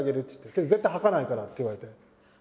「けど絶対吐かないから」って言われて。